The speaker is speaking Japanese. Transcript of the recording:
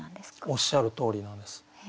おっしゃるとおりなんです。